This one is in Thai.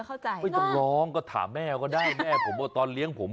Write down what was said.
ไม่ต้องร้องก็ถามแม่ก็ได้แม่ผมว่าตอนเลี้ยงผม